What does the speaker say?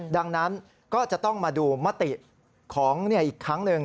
ดังนั้นก็จะต้องมาดูมติของอีกครั้งหนึ่ง